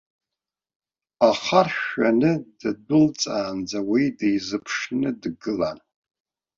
Ахаршә шәаны ддәылҵаанӡа уи дизыԥшны дгылан.